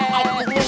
nanti apa sih jun